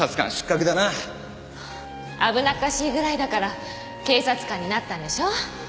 危なっかしいぐらいだから警察官になったんでしょ。